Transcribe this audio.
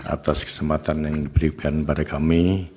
atas kesempatan yang diberikan pada kami